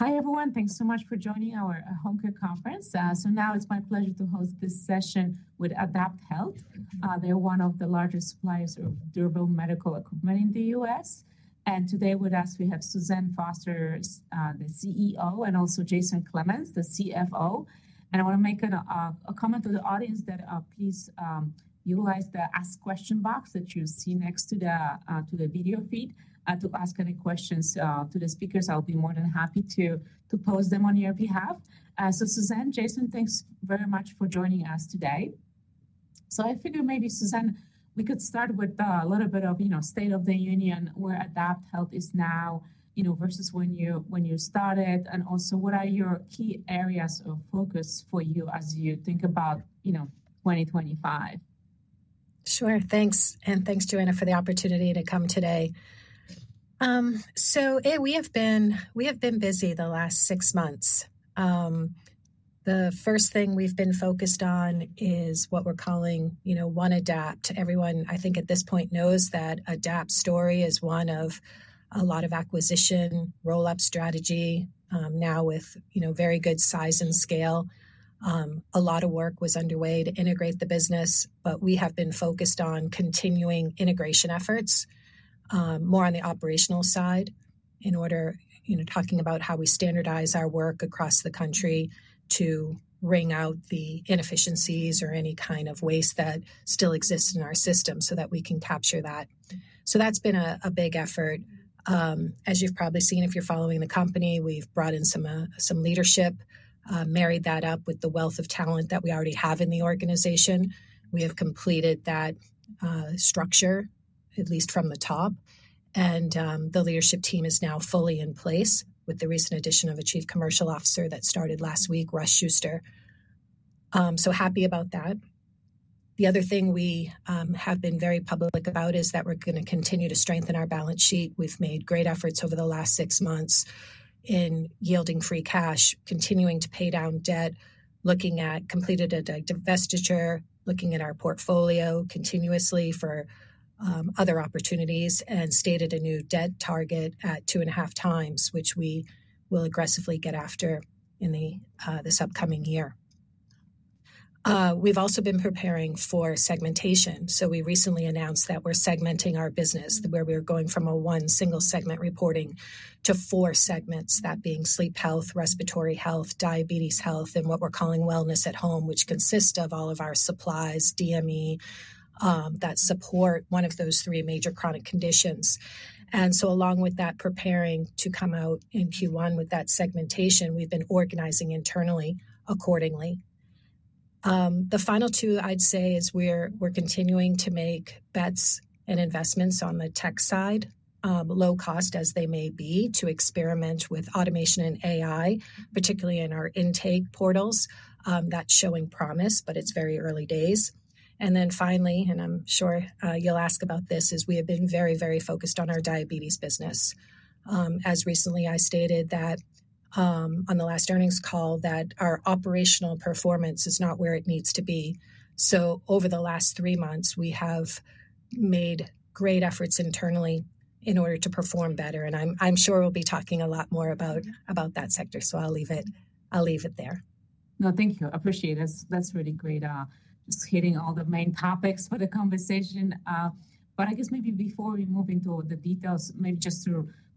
Hi, everyone. Thanks so much for joining our HomeCare Conference. So now it's my pleasure to host this session with AdaptHealth. They're one of the largest suppliers of durable medical equipment in the U.S. And today with us, we have Suzanne Foster, the CEO, and also Jason Clemens, the CFO. And I want to make a comment to the audience that please utilize the ask question box that you see next to the video feed to ask any questions to the speakers. I'll be more than happy to pose them on your behalf. So, Suzanne, Jason, thanks very much for joining us today. So I figure maybe, Suzanne, we could start with a little bit of, you know, state of the union where AdaptHealth is now, you know, versus when you started. And also, what are your key areas of focus for you as you think about, you know, 2025? Sure. Thanks. And thanks, Joanna, for the opportunity to come today. So we have been busy the last six months. The first thing we've been focused on is what we're calling, you know, One Adapt. Everyone, I think at this point, knows that Adapt's story is one of a lot of acquisition, roll-up strategy, now with, you know, very good size and scale. A lot of work was underway to integrate the business, but we have been focused on continuing integration efforts, more on the operational side in order, you know, talking about how we standardize our work across the country to wring out the inefficiencies or any kind of waste that still exists in our system so that we can capture that. So that's been a big effort. As you've probably seen, if you're following the company, we've brought in some leadership, married that up with the wealth of talent that we already have in the organization. We have completed that structure, at least from the top, and the leadership team is now fully in place with the recent addition of a Chief Commercial Officer that started last week, Russ Schuster, so happy about that. The other thing we have been very public about is that we're going to continue to strengthen our balance sheet. We've made great efforts over the last six months in yielding free cash, continuing to pay down debt, looking at completed a divestiture, looking at our portfolio continuously for other opportunities, and stated a new debt target at two and a half times, which we will aggressively get after in this upcoming year. We've also been preparing for segmentation. We recently announced that we're segmenting our business, where we're going from one single segment reporting to four segments, that being Sleep Health, Respiratory Health, Diabetes Health, and what we're calling Wellness at Home, which consists of all of our supplies, DME, that support one of those three major chronic conditions. Along with that, preparing to come out in Q1 with that segmentation, we've been organizing internally accordingly. The final two, I'd say, is we're continuing to make bets and investments on the tech side, low cost as they may be, to experiment with automation and AI, particularly in our intake portals. That's showing promise, but it's very early days. Then finally, and I'm sure you'll ask about this, is we have been very, very focused on our diabetes business. As recently I stated that on the last earnings call, that our operational performance is not where it needs to be. So over the last three months, we have made great efforts internally in order to perform better. And I'm sure we'll be talking a lot more about that sector. So I'll leave it there. No, thank you. I appreciate it. That's really great, just hitting all the main topics for the conversation. But I guess maybe before we move into the details, maybe just to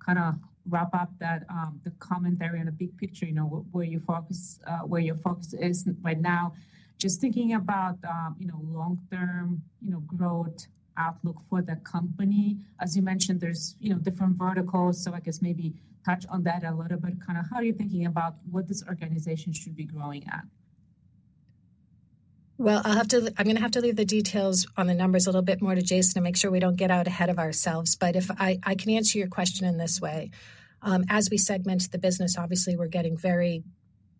kind of wrap up that the commentary on the big picture, you know, where your focus is right now, just thinking about, you know, long-term, you know, growth outlook for the company. As you mentioned, there's, you know, different verticals. So I guess maybe touch on that a little bit. Kind of how are you thinking about what this organization should be growing at? I'm going to have to leave the details on the numbers a little bit more to Jason to make sure we don't get out ahead of ourselves, but if I can answer your question in this way, as we segment the business, obviously, we're getting very,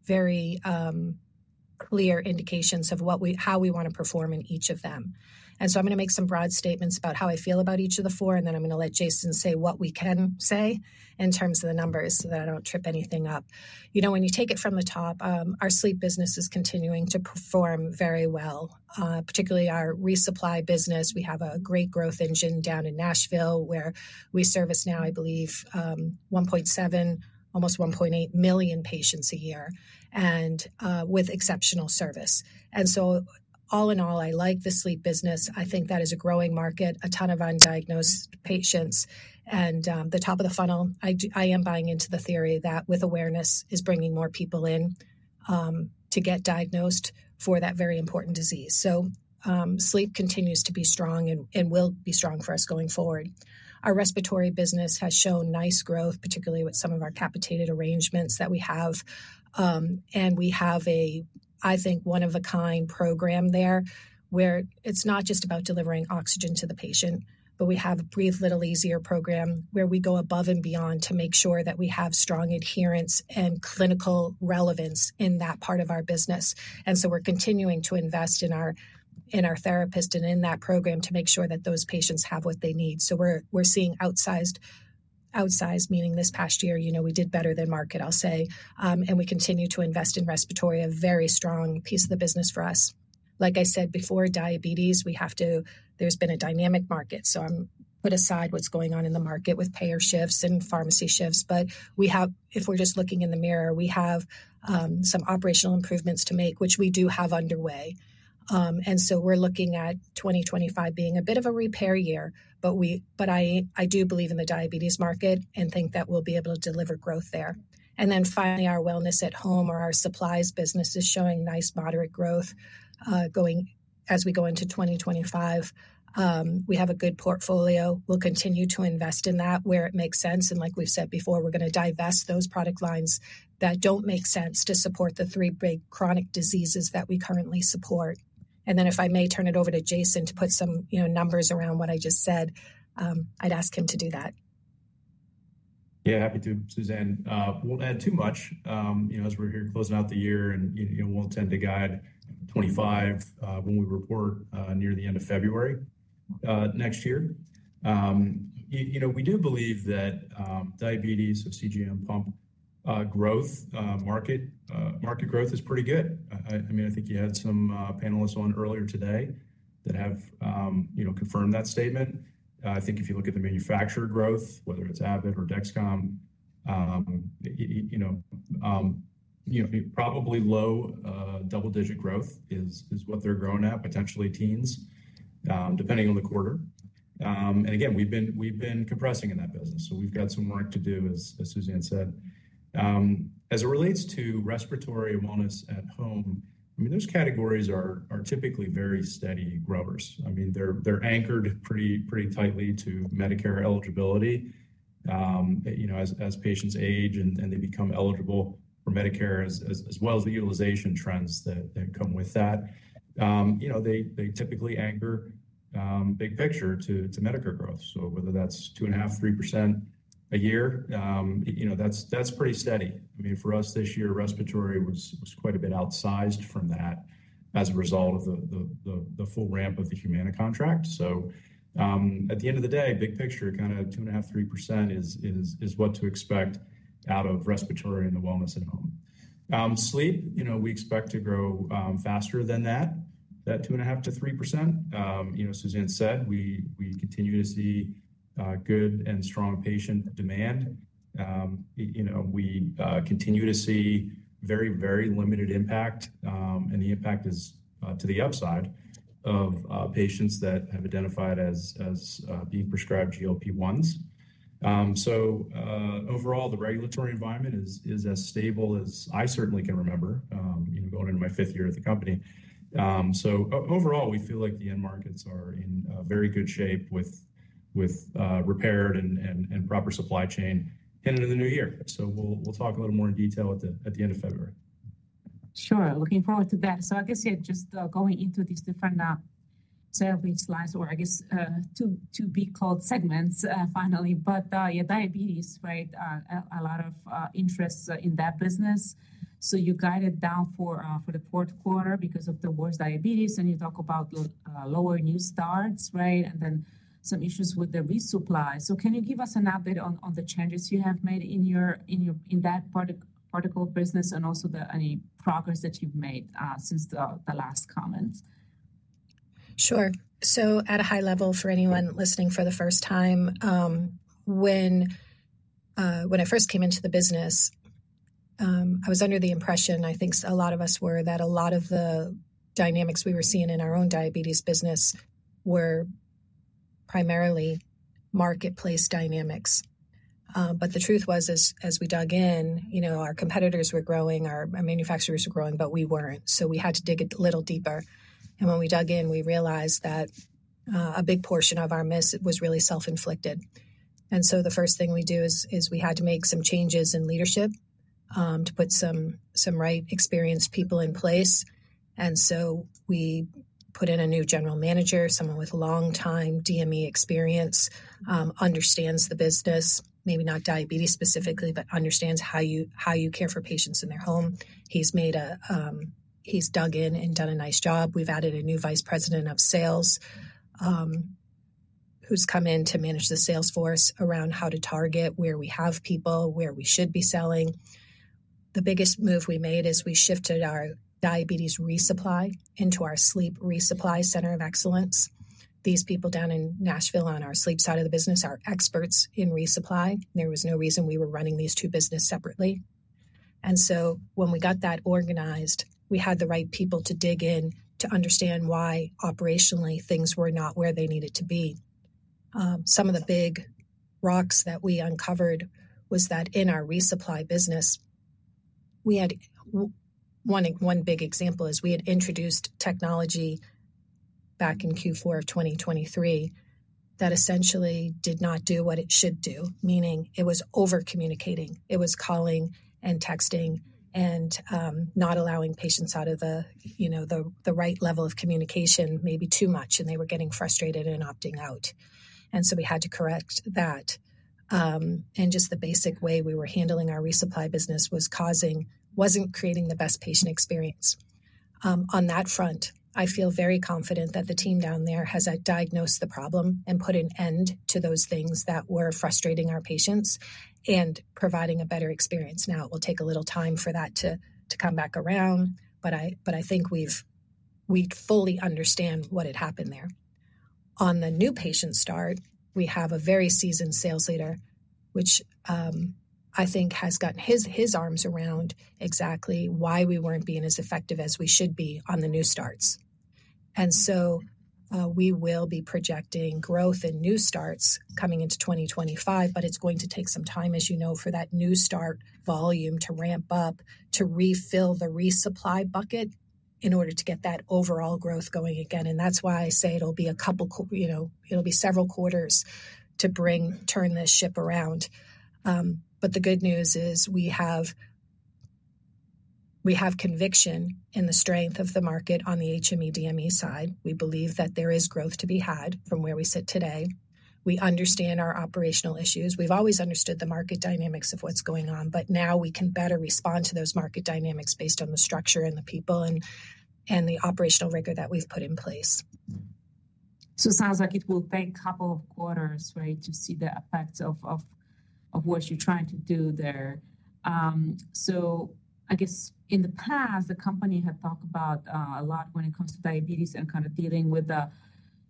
very clear indications of how we want to perform in each of them, and so I'm going to make some broad statements about how I feel about each of the four, and then I'm going to let Jason say what we can say in terms of the numbers so that I don't trip anything up. You know, when you take it from the top, our sleep business is continuing to perform very well, particularly our resupply business. We have a great growth engine down in Nashville, where we service now, I believe, 1.7, almost 1.8 million patients a year and with exceptional service. And so all in all, I like the sleep business. I think that is a growing market, a ton of undiagnosed patients. And the top of the funnel, I am buying into the theory that with awareness is bringing more people in to get diagnosed for that very important disease. So sleep continues to be strong and will be strong for us going forward. Our respiratory business has shown nice growth, particularly with some of our capitated arrangements that we have. And we have a, I think, one-of-a-kind program there where it's not just about delivering oxygen to the patient, but we have a Breathe a Little Easier program where we go above and beyond to make sure that we have strong adherence and clinical relevance in that part of our business. We're continuing to invest in our therapist and in that program to make sure that those patients have what they need. So we're seeing outsized, outsized, meaning this past year, you know, we did better than market, I'll say. And we continue to invest in respiratory, a very strong piece of the business for us. Like I said before, diabetes, we have to, there's been a dynamic market. So, putting aside what's going on in the market with payer shifts and pharmacy shifts. But we have, if we're just looking in the mirror, we have some operational improvements to make, which we do have underway. And so we're looking at 2025 being a bit of a repair year. But I do believe in the diabetes market and think that we'll be able to deliver growth there. Finally, our Wellness at Home or our supplies business is showing nice moderate growth going as we go into 2025. We have a good portfolio. We'll continue to invest in that where it makes sense. Like we've said before, we're going to divest those product lines that don't make sense to support the three big chronic diseases that we currently support. If I may turn it over to Jason to put some, you know, numbers around what I just said, I'd ask him to do that. Yeah, happy to, Suzanne. We'll add to that, you know, as we're here closing out the year. You know, we'll intend to guide 2025 when we report near the end of February next year. You know, we do believe that diabetes or CGM pump growth market growth is pretty good. I mean, I think you had some panelists on earlier today that have, you know, confirmed that statement. I think if you look at the manufacturer growth, whether it's Abbott or Dexcom, you know, probably low double-digit growth is what they're growing at, potentially teens, depending on the quarter. And again, we've been compressing in that business. So we've got some work to do, as Suzanne said. As it relates to respiratory Wellness at Home, I mean, those categories are typically very steady growers. I mean, they're anchored pretty tightly to Medicare eligibility. You know, as patients age and they become eligible for Medicare, as well as the utilization trends that come with that, you know, they typically anchor big picture to Medicare growth. So whether that's 2.5%-3% a year, you know, that's pretty steady. I mean, for us this year, respiratory was quite a bit outsized from that as a result of the full ramp of the Humana contract. So at the end of the day, big picture, kind of 2.5%-3% is what to expect out of respiratory and the Wellness at Home. Sleep, you know, we expect to grow faster than that, that 2.5%-3%. You know, Suzanne said, we continue to see good and strong patient demand. You know, we continue to see very, very limited impact. The impact is to the upside of patients that have identified as being prescribed GLP-1s. Overall, the regulatory environment is as stable as I certainly can remember, you know, going into my fifth year at the company. Overall, we feel like the end markets are in very good shape with repaired and proper supply chain headed into the new year. We'll talk a little more in detail at the end of February. Sure. Looking forward to that. So I guess, yeah, just going into these different sales slides, or I guess two big core segments finally. But yeah, diabetes, right? A lot of interest in that business. So you guided down for the fourth quarter because of the worst diabetes. And you talk about lower new starts, right? And then some issues with the resupply. So can you give us an update on the changes you have made in that particular business and also the progress that you've made since the last comment? Sure. So at a high level for anyone listening for the first time, when I first came into the business, I was under the impression, I think a lot of us were, that a lot of the dynamics we were seeing in our own diabetes business were primarily marketplace dynamics. But the truth was, as we dug in, you know, our competitors were growing, our manufacturers were growing, but we weren't. So we had to dig a little deeper. And when we dug in, we realized that a big portion of our miss was really self-inflicted. And so the first thing we do is we had to make some changes in leadership to put some right experienced people in place. And so we put in a new general manager, someone with long-time DME experience, understands the business, maybe not diabetes specifically, but understands how you care for patients in their home. He's dug in and done a nice job. We've added a new vice president of sales who's come in to manage the sales force around how to target where we have people, where we should be selling. The biggest move we made is we shifted our diabetes resupply into our sleep resupply center of excellence. These people down in Nashville on our sleep side of the business are experts in resupply. There was no reason we were running these two businesses separately. And so when we got that organized, we had the right people to dig in to understand why operationally things were not where they needed to be. Some of the big rocks that we uncovered was that in our resupply business, we had one big example is we had introduced technology back in Q4 of 2023 that essentially did not do what it should do, meaning it was over-communicating. It was calling and texting and not allowing patients out of the, you know, the right level of communication maybe too much. And they were getting frustrated and opting out. And so we had to correct that. And just the basic way we were handling our resupply business was causing, wasn't creating the best patient experience. On that front, I feel very confident that the team down there has diagnosed the problem and put an end to those things that were frustrating our patients and providing a better experience. Now, it will take a little time for that to come back around, but I think we fully understand what had happened there. On the new patient start, we have a very seasoned sales leader, which I think has gotten his arms around exactly why we weren't being as effective as we should be on the new starts. And so we will be projecting growth in new starts coming into 2025, but it's going to take some time, as you know, for that new start volume to ramp up, to refill the resupply bucket in order to get that overall growth going again. And that's why I say it'll be a couple, you know, it'll be several quarters to bring, turn this ship around. But the good news is we have conviction in the strength of the market on the HME DME side. We believe that there is growth to be had from where we sit today. We understand our operational issues. We've always understood the market dynamics of what's going on, but now we can better respond to those market dynamics based on the structure and the people and the operational rigor that we've put in place. So it sounds like it will take a couple of quarters, right, to see the effects of what you're trying to do there. So I guess in the past, the company had talked about a lot when it comes to diabetes and kind of dealing with the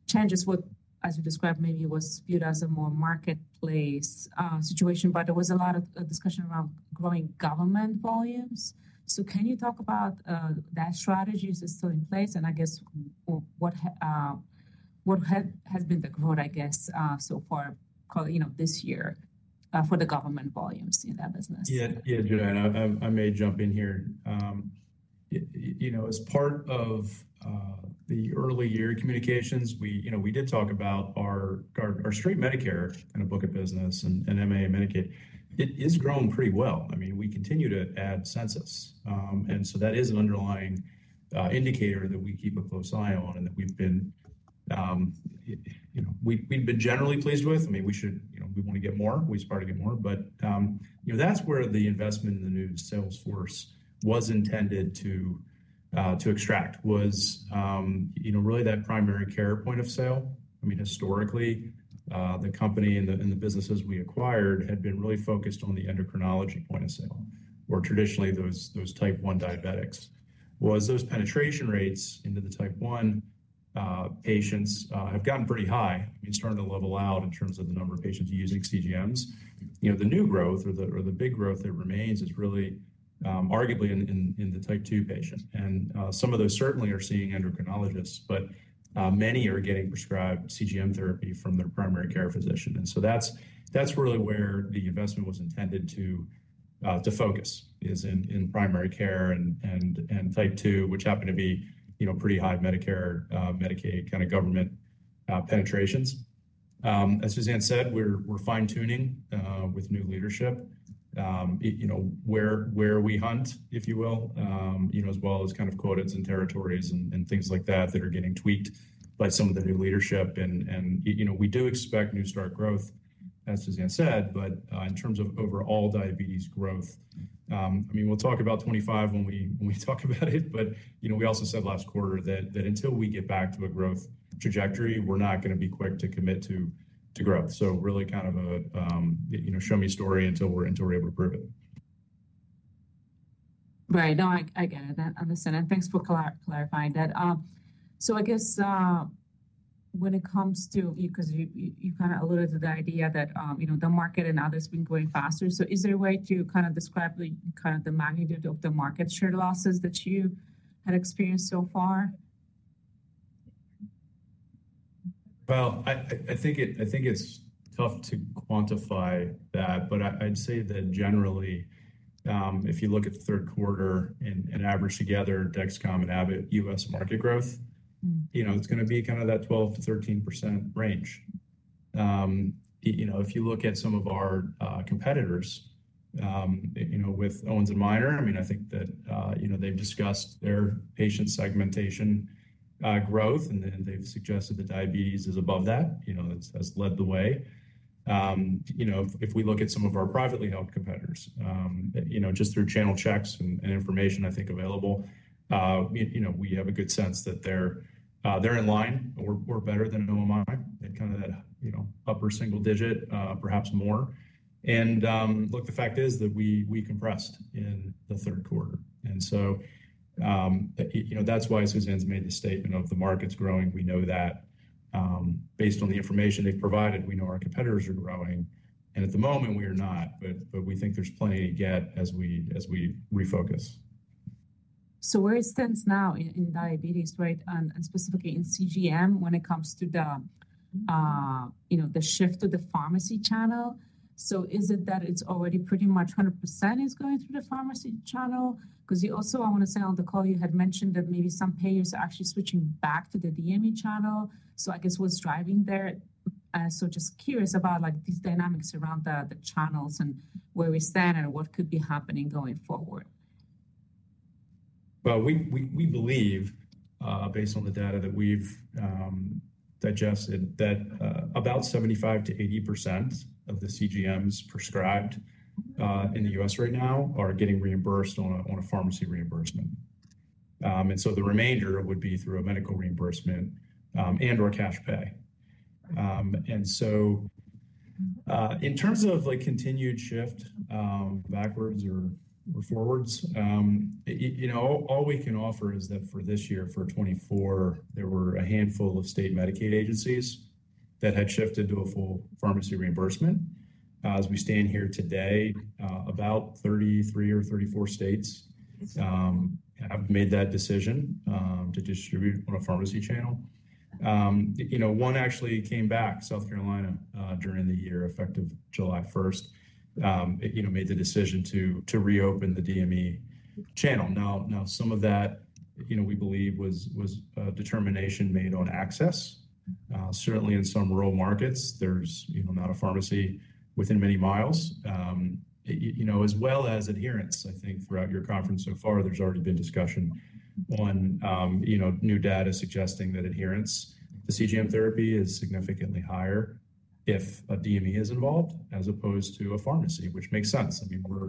changes, what, as you described, maybe was viewed as a more marketplace situation, but there was a lot of discussion around growing government volumes. So can you talk about that strategy that's still in place? And I guess what has been the growth, I guess, so far, you know, this year for the government volumes in that business? Yeah, Joanna, I may jump in here. You know, as part of the early year communications, we, you know, we did talk about our straight Medicare kind of book of business and MA Medicaid. It is growing pretty well. I mean, we continue to add census. And so that is an underlying indicator that we keep a close eye on and that we've been, you know, we've been generally pleased with. I mean, we should, you know, we want to get more. We started to get more. But, you know, that's where the investment in the new sales force was intended to extract was, you know, really that primary care point of sale. I mean, historically, the company and the businesses we acquired had been really focused on the endocrinology point of sale, or traditionally those Type 1 diabetics. As those penetration rates into the Type 1 patients have gotten pretty high. I mean, starting to level out in terms of the number of patients using CGMs. You know, the new growth or the big growth that remains is really arguably in the Type 2 patient, and some of those certainly are seeing endocrinologists, but many are getting prescribed CGM therapy from their primary care physician, and so that's really where the investment was intended to focus is in primary care and Type 2, which happened to be, you know, pretty high Medicare, Medicaid kind of government penetrations. As Suzanne said, we're fine-tuning with new leadership, you know, where we hunt, if you will, you know, as well as kind of quotas and territories and things like that that are getting tweaked by some of the new leadership. You know, we do expect new start growth, as Suzanne said, but in terms of overall diabetes growth, I mean, we'll talk about 25 when we talk about it. But you know, we also said last quarter that until we get back to a growth trajectory, we're not going to be quick to commit to growth. So really kind of a, you know, show me story until we're able to prove it. Right. No, I get it. I understand, and thanks for clarifying that, so I guess when it comes to, because you kind of alluded to the idea that, you know, the market and others have been growing faster, so is there a way to kind of describe kind of the magnitude of the market share losses that you had experienced so far? I think it's tough to quantify that, but I'd say that generally, if you look at third quarter and average together Dexcom and Abbott, U.S. market growth, you know, it's going to be kind of that 12%-13% range. You know, if you look at some of our competitors, you know, with Owens & Minor, I mean, I think that, you know, they've discussed their patient segmentation growth, and then they've suggested that diabetes is above that, you know, has led the way. You know, if we look at some of our privately held competitors, you know, just through channel checks and information I think available, you know, we have a good sense that they're in line. We're better than OMI at kind of that, you know, upper single digit, perhaps more. And look, the fact is that we compressed in the third quarter. And so, you know, that's why Suzanne's made the statement of the market's growing. We know that based on the information they've provided, we know our competitors are growing. And at the moment, we are not, but we think there's plenty to get as we refocus. So where is Sense now in diabetes, right? And specifically in CGM when it comes to the, you know, the shift to the pharmacy channel. So is it that it's already pretty much 100% is going through the pharmacy channel? Because you also, I want to say on the call, you had mentioned that maybe some payers are actually switching back to the DME channel. So I guess what's driving there? So just curious about like these dynamics around the channels and where we stand and what could be happening going forward. Well, we believe, based on the data that we've digested, that about 75%-80% of the CGMs prescribed in the U.S. right now are getting reimbursed on a pharmacy reimbursement. And so the remainder would be through a medical reimbursement and/or cash pay. And so in terms of like continued shift backwards or forwards, you know, all we can offer is that for this year, for 2024, there were a handful of state Medicaid agencies that had shifted to a full pharmacy reimbursement. As we stand here today, about 33 or 34 states have made that decision to distribute on a pharmacy channel. You know, one actually came back, South Carolina, during the year effective July 1st, you know, made the decision to reopen the DME channel. Now, some of that, you know, we believe was determination made on access. Certainly in some rural markets, there's, you know, not a pharmacy within many miles, you know, as well as adherence. I think throughout your conference so far, there's already been discussion on, you know, new data suggesting that adherence to CGM therapy is significantly higher if a DME is involved as opposed to a pharmacy, which makes sense. I mean, we're,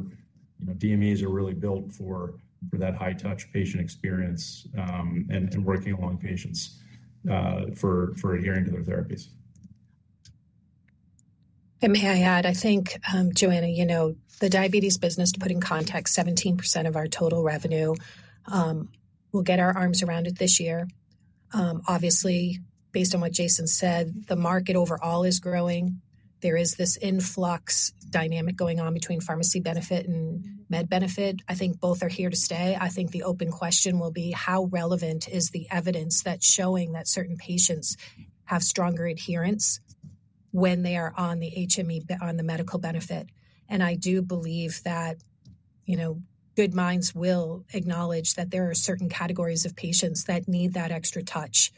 you know, DMEs are really built for that high-touch patient experience and working with patients for adhering to their therapies. And may I add, I think, Joanna, you know, the diabetes business, to put in context, 17% of our total revenue will get our arms around it this year. Obviously, based on what Jason said, the market overall is growing. There is this influx dynamic going on between pharmacy benefit and med benefit. I think both are here to stay. I think the open question will be how relevant is the evidence that's showing that certain patients have stronger adherence when they are on the HME, on the medical benefit. And I do believe that, you know, good minds will acknowledge that there are certain categories of patients that need that extra touch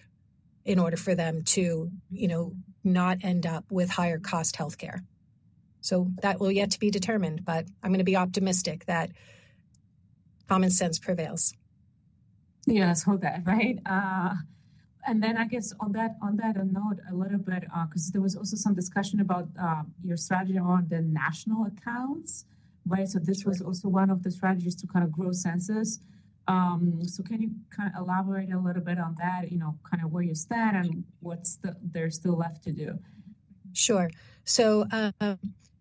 in order for them to, you know, not end up with higher-cost healthcare. So that will yet to be determined, but I'm going to be optimistic that common sense prevails. Yes, hold that, right? And then I guess on that note a little bit, because there was also some discussion about your strategy on the national accounts, right? So this was also one of the strategies to kind of grow census. So can you kind of elaborate a little bit on that, you know, kind of where you stand and what's there still left to do? Sure. So,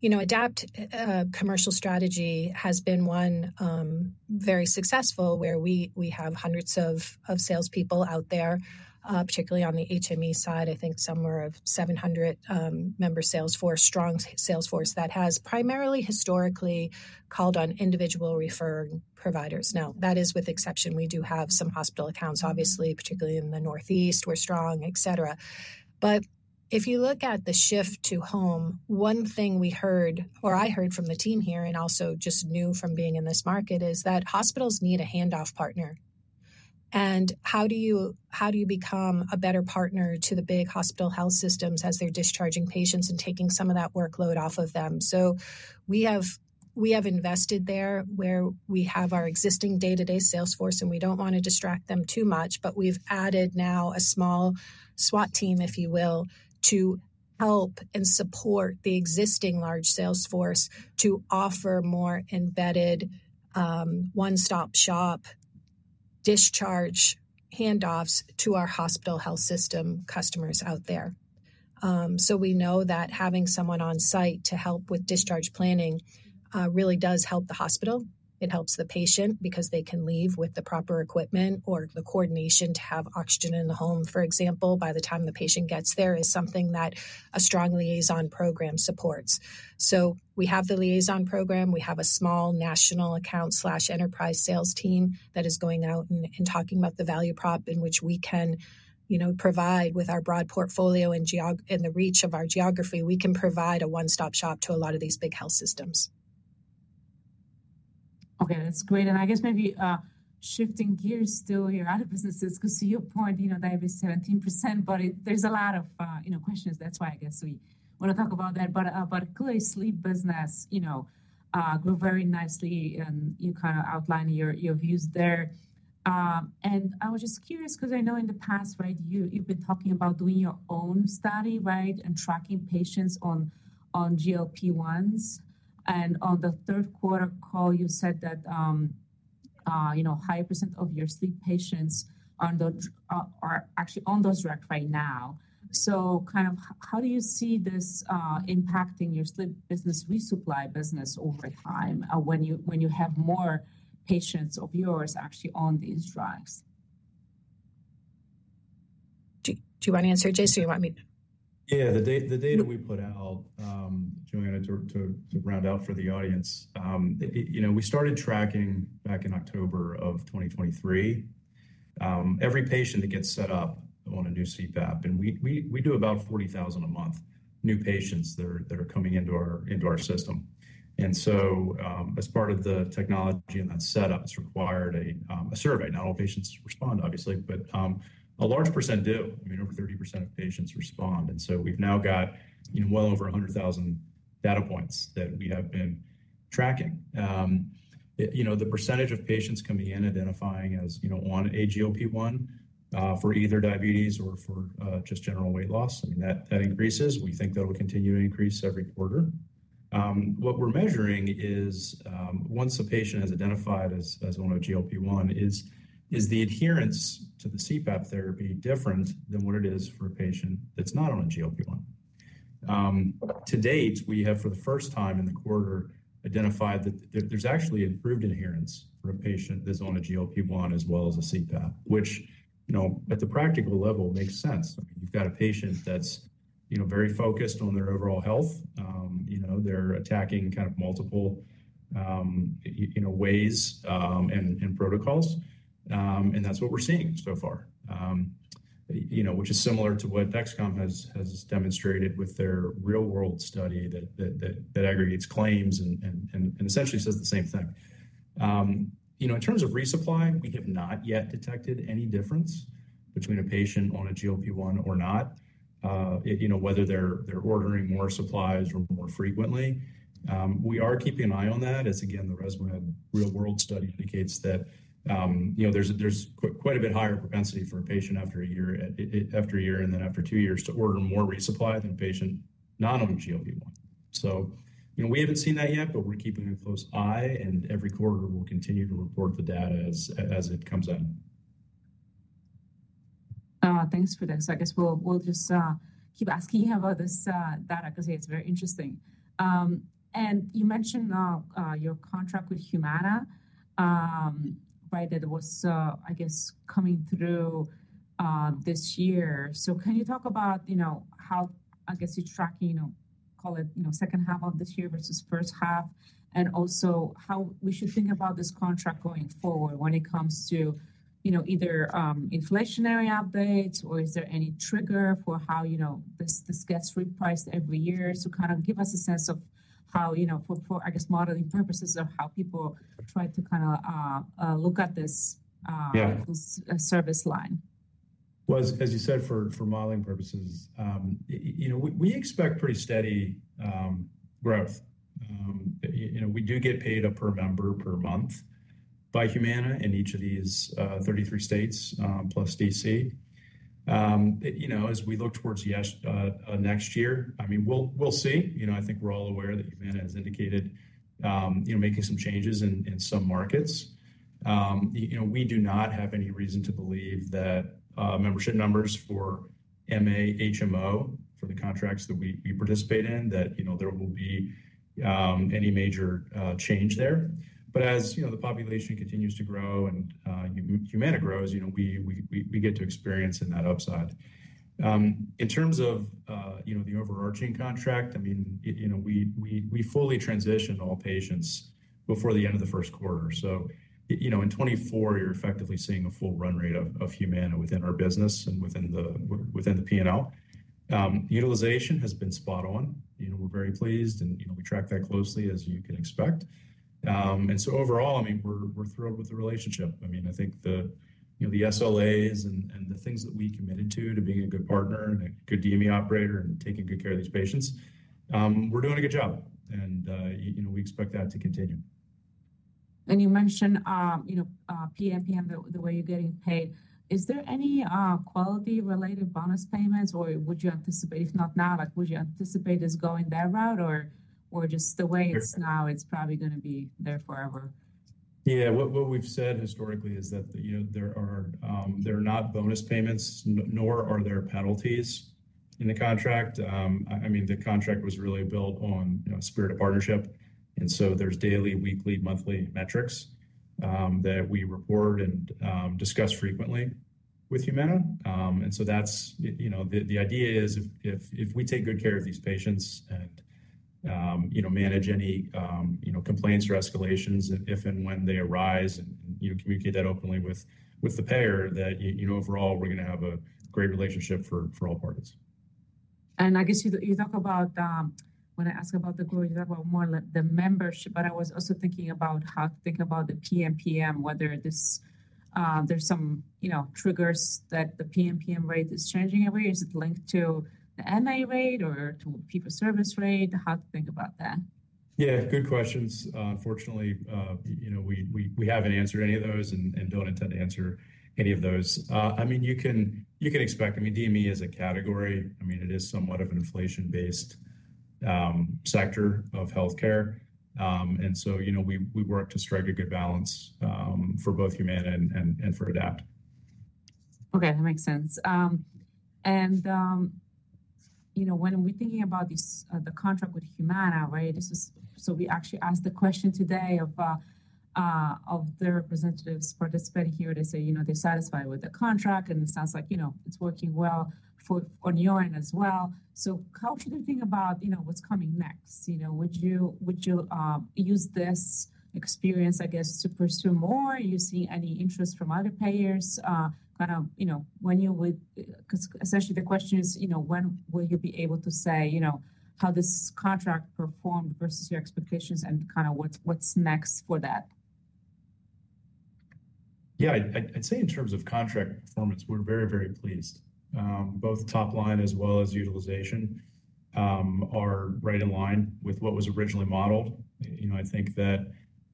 you know, AdaptHealth Commercial Strategy has been one very successful where we have hundreds of salespeople out there, particularly on the HME side. I think somewhere of 700 member sales force, strong sales force that has primarily historically called on individual referring providers. Now, that is with exception, we do have some hospital accounts, obviously, particularly in the Northeast, we're strong, et cetera. But if you look at the shift to home, one thing we heard, or I heard from the team here and also just knew from being in this market is that hospitals need a handoff partner. And how do you become a better partner to the big hospital health systems as they're discharging patients and taking some of that workload off of them? So we have invested there where we have our existing day-to-day sales force, and we don't want to distract them too much, but we've added now a small SWAT team, if you will, to help and support the existing large sales force to offer more embedded one-stop shop discharge handoffs to our hospital health system customers out there. So we know that having someone on site to help with discharge planning really does help the hospital. It helps the patient because they can leave with the proper equipment or the coordination to have oxygen in the home, for example, by the time the patient gets there is something that a strong liaison program supports. So we have the liaison program. We have a small national account slash enterprise sales team that is going out and talking about the value prop in which we can, you know, provide with our broad portfolio and the reach of our geography. We can provide a one-stop shop to a lot of these big health systems. Okay, that's great, and I guess maybe shifting gears still here out of business, because to your point, you know, that it was 17%, but there's a lot of, you know, questions. That's why I guess we want to talk about that, but clearly, sleep business, you know, grew very nicely, and you kind of outlined your views there, and I was just curious because I know in the past, right, you've been talking about doing your own study, right, and tracking patients on GLP-1s. And on the third quarter call, you said that, you know, higher percent of your sleep patients are actually on those drugs right now, so kind of how do you see this impacting your sleep business resupply business over time when you have more patients of yours actually on these drugs? Do you want to answer, Jason? You want me to? Yeah, the data we put out, Joanna, to round out for the audience, you know, we started tracking back in October of 2023. Every patient that gets set up on a new CPAP, and we do about 40,000 a month new patients that are coming into our system, and so as part of the technology and that setup, it's required a survey, not all patients respond, obviously, but a large percent do, I mean, over 30% of patients respond, and so we've now got, you know, well over 100,000 data points that we have been tracking, you know, the percentage of patients coming in identifying as, you know, on a GLP-1 for either diabetes or for just general weight loss, I mean, that increases. We think that will continue to increase every quarter. What we're measuring is once a patient has identified as on a GLP-1, is the adherence to the CPAP therapy different than what it is for a patient that's not on a GLP-1? To date, we have for the first time in the quarter identified that there's actually improved adherence for a patient that's on a GLP-1 as well as a CPAP, which, you know, at the practical level makes sense. I mean, you've got a patient that's, you know, very focused on their overall health. You know, they're attacking kind of multiple, you know, ways and protocols. And that's what we're seeing so far, you know, which is similar to what Dexcom has demonstrated with their real-world study that aggregates claims and essentially says the same thing. You know, in terms of resupply, we have not yet detected any difference between a patient on a GLP-1 or not, you know, whether they're ordering more supplies or more frequently. We are keeping an eye on that as, again, the ResMed real-world study indicates that, you know, there's quite a bit higher propensity for a patient after a year, after a year, and then after two years to order more resupply than a patient not on a GLP-1. So, you know, we haven't seen that yet, but we're keeping a close eye, and every quarter we'll continue to report the data as it comes in. Thanks for this. I guess we'll just keep asking you about this data because it's very interesting. And you mentioned your contract with Humana, right, that was, I guess, coming through this year. So can you talk about, you know, how, I guess, you're tracking, you know, call it, you know, second half of this year versus first half, and also how we should think about this contract going forward when it comes to, you know, either inflationary updates or is there any trigger for how, you know, this gets repriced every year? So kind of give us a sense of how, you know, for, I guess, modeling purposes of how people try to kind of look at this service line? Well, as you said, for modeling purposes, you know, we expect pretty steady growth. You know, we do get paid a per member per month by Humana in each of these 33 states plus DC. You know, as we look towards next year, I mean, we'll see. You know, I think we're all aware that Humana has indicated, you know, making some changes in some markets. You know, we do not have any reason to believe that membership numbers for MA, HMO, for the contracts that we participate in, that, you know, there will be any major change there. But as, you know, the population continues to grow and Humana grows, you know, we get to experience in that upside. In terms of, you know, the overarching contract, I mean, you know, we fully transitioned all patients before the end of the first quarter. So, you know, in 2024, you're effectively seeing a full run rate of Humana within our business and within the P&L. Utilization has been spot on. You know, we're very pleased and, you know, we track that closely as you can expect. And so overall, I mean, we're thrilled with the relationship. I mean, I think the, you know, the SLAs and the things that we committed to, to being a good partner and a good DME operator and taking good care of these patients, we're doing a good job. And, you know, we expect that to continue. You mentioned, you know, PNPM and the way you're getting paid. Is there any quality-related bonus payments or would you anticipate, if not now, like would you anticipate it's going that route or just the way it's now, it's probably going to be there forever? Yeah, what we've said historically is that, you know, there are not bonus payments, nor are there penalties in the contract. I mean, the contract was really built on, you know, a spirit of partnership, and so there's daily, weekly, monthly metrics that we report and discuss frequently with Humana, and so that's, you know, the idea is if we take good care of these patients and, you know, manage any, you know, complaints or escalations if and when they arise and, you know, communicate that openly with the payer, that, you know, overall, we're going to have a great relationship for all parties. I guess you talk about, when I ask about the growth, you talk about more the membership, but I was also thinking about how to think about the PNPM, whether there's some, you know, triggers that the PNPM rate is changing every year. Is it linked to the MA rate or to fee-for-service rate? How to think about that? Yeah, good questions. Fortunately, you know, we haven't answered any of those and don't intend to answer any of those. I mean, you can expect, I mean, DME as a category, I mean, it is somewhat of an inflation-based sector of healthcare. And so, you know, we work to strike a good balance for both Humana and for Adapt. Okay, that makes sense, and you know, when we're thinking about the contract with Humana, right, this is, so we actually asked the question today of the representatives participating here. They say, you know, they're satisfied with the contract and it sounds like, you know, it's working well on your end as well, so how should we think about, you know, what's coming next? You know, would you use this experience, I guess, to pursue more? Are you seeing any interest from other payers? Kind of, you know, when you would, because essentially the question is, you know, when will you be able to say, you know, how this contract performed versus your expectations and kind of what's next for that? Yeah, I'd say in terms of contract performance, we're very, very pleased. Both top line as well as utilization are right in line with what was originally modeled. You know, I think that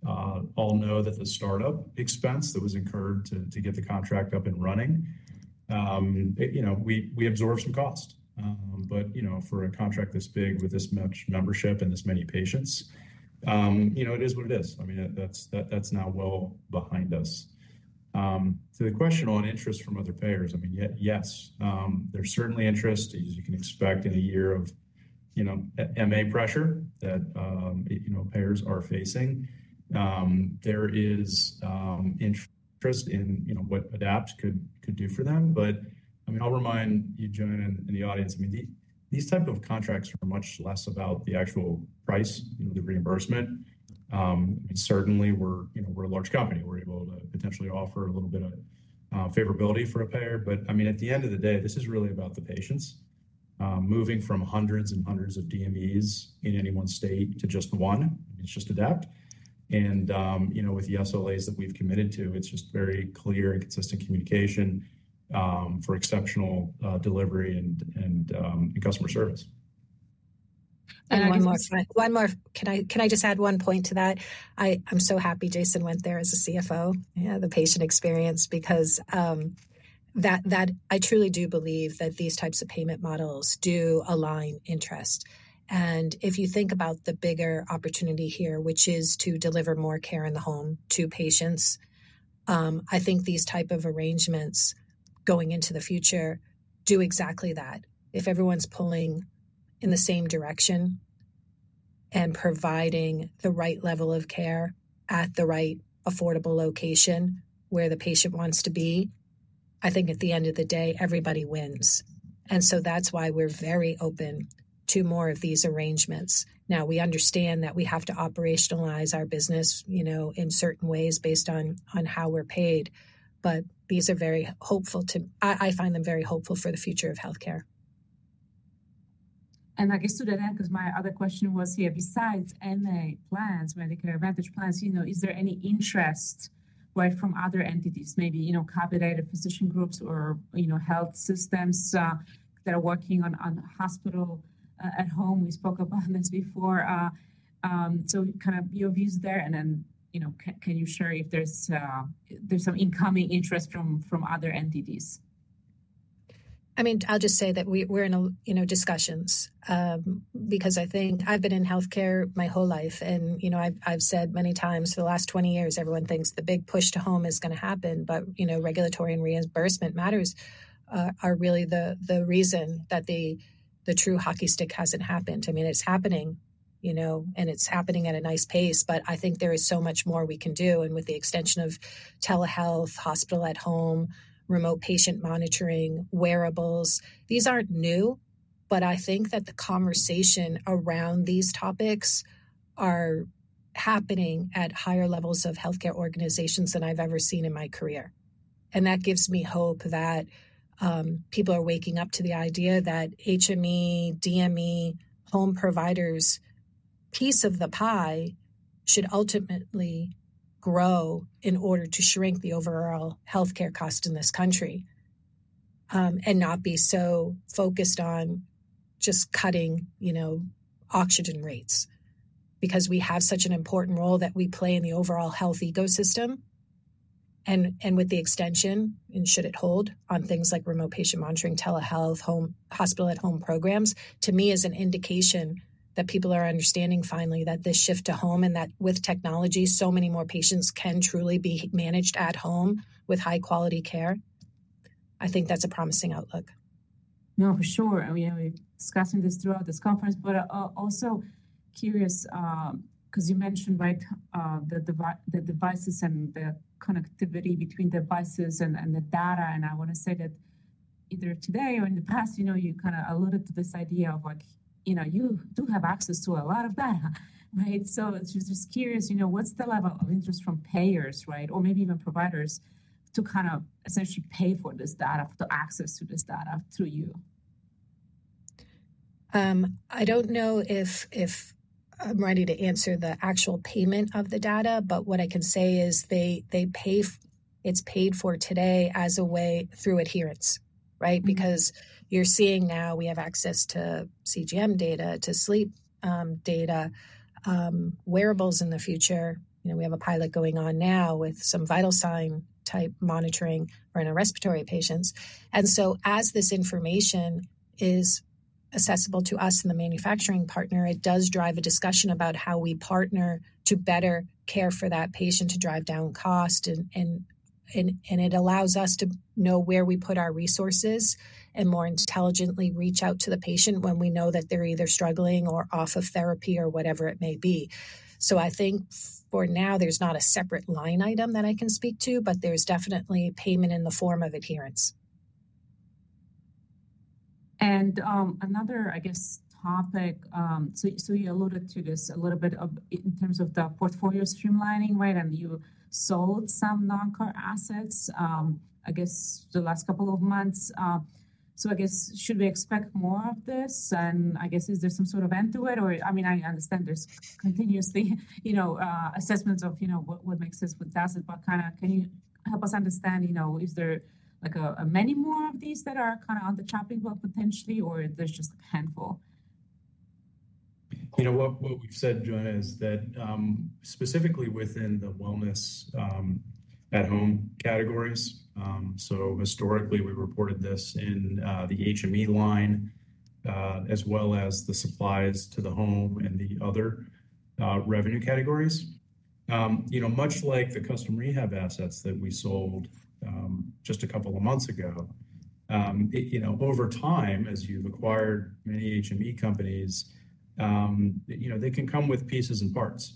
all know that the startup expense that was incurred to get the contract up and running, you know, we absorbed some cost. But, you know, for a contract this big with this much membership and this many patients, you know, it is what it is. I mean, that's now well behind us. To the question on interest from other payers, I mean, yes, there's certainly interest as you can expect in a year of, you know, MA pressure that, you know, payers are facing. There is interest in, you know, what Adapt could do for them. But I mean, I'll remind you, Joanna, and the audience. I mean, these types of contracts are much less about the actual price, you know, the reimbursement. I mean, certainly we're, you know, we're a large company. We're able to potentially offer a little bit of favorability for a payer. But I mean, at the end of the day, this is really about the patients. Moving from hundreds and hundreds of DMEs in any one state to just one, it's just Adapt. And, you know, with the SLAs that we've committed to, it's just very clear and consistent communication for exceptional delivery and customer service. And one more, can I just add one point to that? I'm so happy Jason went there as a CFO, the patient experience, because I truly do believe that these types of payment models do align interest. And if you think about the bigger opportunity here, which is to deliver more care in the home to patients, I think these types of arrangements going into the future do exactly that. If everyone's pulling in the same direction and providing the right level of care at the right affordable location where the patient wants to be, I think at the end of the day, everybody wins. And so that's why we're very open to more of these arrangements. Now, we understand that we have to operationalize our business, you know, in certain ways based on how we're paid. But these are very hopeful, too. I find them very hopeful for the future of healthcare. I guess to that end, because my other question was here, besides MA plans, Medicare Advantage plans, you know, is there any interest, right, from other entities, maybe, you know, capitated physician groups or, you know, health systems that are working on hospital at home? We spoke about this before. Kind of your views there and then, you know, can you share if there's some incoming interest from other entities? I mean, I'll just say that we're in, you know, discussions because I think I've been in healthcare my whole life and, you know, I've said many times for the last 20 years, everyone thinks the big push to home is going to happen, but, you know, regulatory and reimbursement matters are really the reason that the true hockey stick hasn't happened. I mean, it's happening, you know, and it's happening at a nice pace, but I think there is so much more we can do, and with the extension of telehealth, hospital at home, remote patient monitoring, wearables, these aren't new, but I think that the conversation around these topics are happening at higher levels of healthcare organizations than I've ever seen in my career. That gives me hope that people are waking up to the idea that HME, DME, home providers, piece of the pie should ultimately grow in order to shrink the overall healthcare cost in this country and not be so focused on just cutting, you know, oxygen rates because we have such an important role that we play in the overall health ecosystem. With the extension, and should it hold on things like remote patient monitoring, telehealth, hospital at home programs, to me is an indication that people are understanding finally that this shift to home and that with technology, so many more patients can truly be managed at home with high-quality care. I think that's a promising outlook. No, for sure. I mean, we're discussing this throughout this conference, but also curious because you mentioned, right, the devices and the connectivity between devices and the data. And I want to say that either today or in the past, you know, you kind of alluded to this idea of like, you know, you do have access to a lot of data, right? So I was just curious, you know, what's the level of interest from payers, right, or maybe even providers to kind of essentially pay for this data, access to this data through you? I don't know if I'm ready to answer the actual payment of the data, but what I can say is they pay. It's paid for today as a way through adherence, right? Because you're seeing now we have access to CGM data, to sleep data, wearables in the future. You know, we have a pilot going on now with some vital sign type monitoring for respiratory patients. So as this information is accessible to us and the manufacturing partner, it does drive a discussion about how we partner to better care for that patient to drive down cost. It allows us to know where we put our resources and more intelligently reach out to the patient when we know that they're either struggling or off of therapy or whatever it may be. So I think for now, there's not a separate line item that I can speak to, but there's definitely payment in the form of adherence. And another, I guess, topic, so you alluded to this a little bit in terms of the portfolio streamlining, right? And you sold some non-core assets, I guess, the last couple of months. So I guess, should we expect more of this? And I guess, is there some sort of end to it? Or I mean, I understand there's continuously, you know, assessments of, you know, what makes sense with that. But kind of can you help us understand, you know, is there like many more of these that are kind of on the chopping block potentially, or there's just a handful? You know, what we've said, Joanna, is that specifically within the Wellness at Home categories. So historically, we reported this in the HME line as well as the supplies to the home and the other revenue categories. You know, much like the custom rehab assets that we sold just a couple of months ago, you know, over time, as you've acquired many HME companies, you know, they can come with pieces and parts.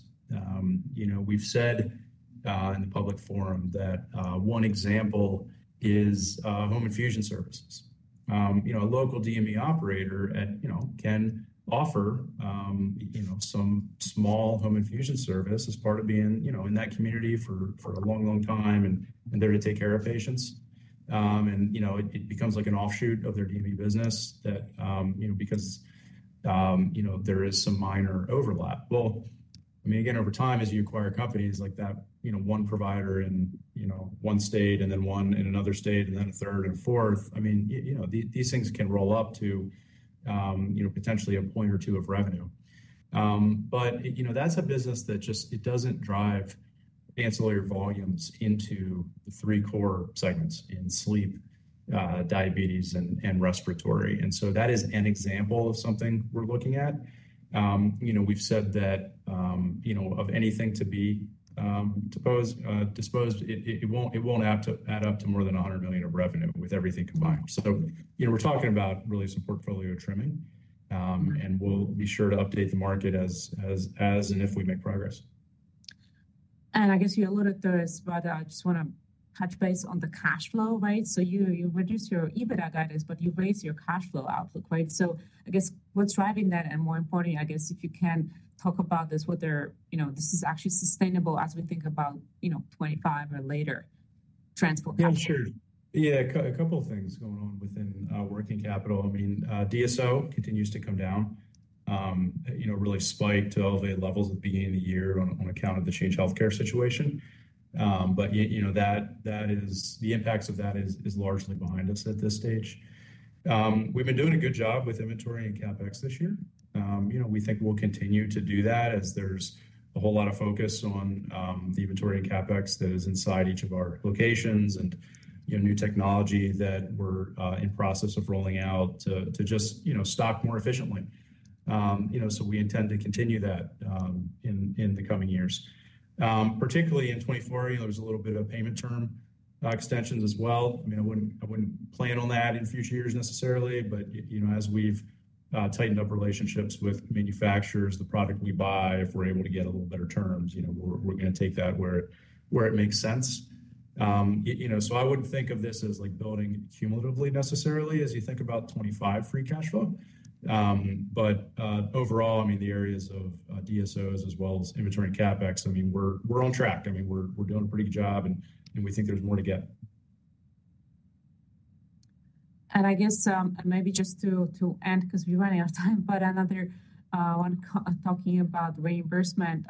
You know, we've said in the public forum that one example is home infusion services. You know, a local DME operator, you know, can offer, you know, some small home infusion service as part of being, you know, in that community for a long, long time and there to take care of patients. And, you know, it becomes like an offshoot of their DME business that, you know, because, you know, there is some minor overlap. I mean, again, over time, as you acquire companies like that, you know, one provider in, you know, one state and then one in another state and then a third and fourth, I mean, you know, these things can roll up to, you know, potentially a point or two of revenue. But, you know, that's a business that just, it doesn't drive ancillary volumes into the three core segments in sleep, diabetes, and respiratory. And so that is an example of something we're looking at. You know, we've said that, you know, of anything to be disposed, it won't add up to more than $100 million of revenue with everything combined. So, you know, we're talking about really some portfolio trimming. And we'll be sure to update the market as and if we make progress. And I guess you alluded to this, but I just want to touch base on the cash flow, right? So you reduced your EBITDA guidance, but you raised your cash flow outlook, right? So I guess what's driving that and more importantly, I guess if you can talk about this, whether, you know, this is actually sustainable as we think about, you know, 2025 or later prospects? Yeah, sure. Yeah, a couple of things going on within working capital. I mean, DSO continues to come down, you know, really spiked to elevated levels at the beginning of the year on account of the Change Healthcare situation. But, you know, that, the impacts of that, is largely behind us at this stage. We've been doing a good job with inventory and CapEx this year. You know, we think we'll continue to do that as there's a whole lot of focus on the inventory and CapEx that is inside each of our locations and, you know, new technology that we're in process of rolling out to just, you know, stock more efficiently. You know, so we intend to continue that in the coming years. Particularly in 2024, there was a little bit of payment term extensions as well. I mean, I wouldn't plan on that in future years necessarily, but, you know, as we've tightened up relationships with manufacturers, the product we buy, if we're able to get a little better terms, you know, we're going to take that where it makes sense. You know, so I wouldn't think of this as like building cumulatively necessarily as you think about 2025 free cash flow. But overall, I mean, the areas of DSOs as well as inventory and CapEx, I mean, we're on track. I mean, we're doing a pretty good job and we think there's more to get. I guess maybe just to end because we're running out of time, but another one talking about reimbursement,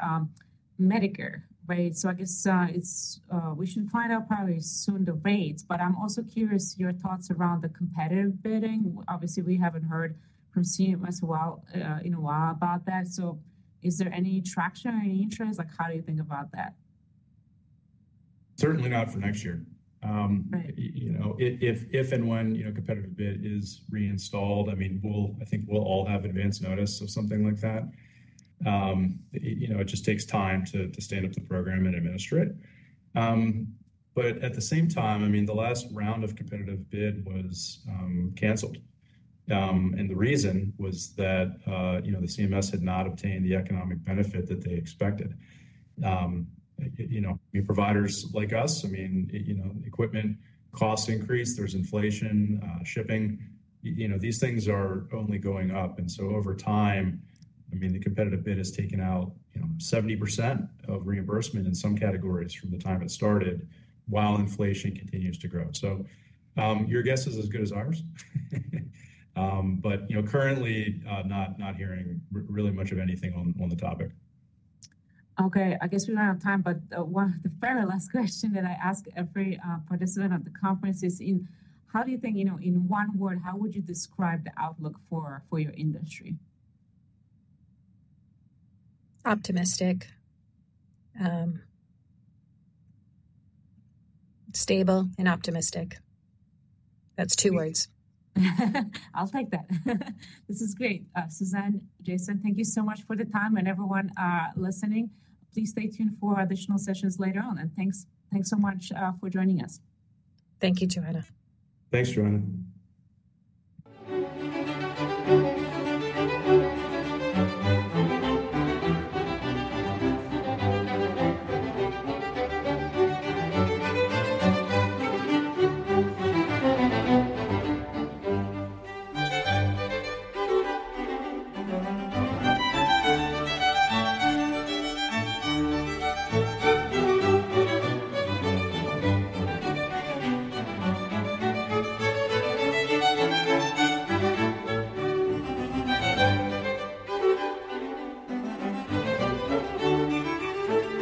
Medicare, right? I guess we should find out probably soon the rates, but I'm also curious your thoughts around the competitive bidding. Obviously, we haven't heard from CMS in a while about that. Is there any traction or any interest? Like how do you think about that? Certainly not for next year. You know, if and when, you know, competitive bid is reinstalled, I mean, I think we'll all have advance notice of something like that. You know, it just takes time to stand up the program and administer it. But at the same time, I mean, the last round of competitive bid was canceled. And the reason was that, you know, the CMS had not obtained the economic benefit that they expected. You know, providers like us, I mean, you know, equipment costs increase, there's inflation, shipping, you know, these things are only going up. And so over time, I mean, the competitive bid has taken out, you know, 70% of reimbursement in some categories from the time it started while inflation continues to grow. So your guess is as good as ours. But, you know, currently not hearing really much of anything on the topic. Okay. I guess we don't have time, but the very last question that I ask every participant of the conference is, in how do you think, you know, in one word, how would you describe the outlook for your industry? Optimistic. Stable and optimistic. That's two words. I'll take that. This is great. Suzanne, Jason, thank you so much for the time and everyone listening. Please stay tuned for additional sessions later on, and thanks so much for joining us. Thank you, Joanna. Thanks, Joanna.